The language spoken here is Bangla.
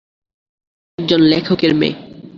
মিনি একজন লেখকের মেয়ে।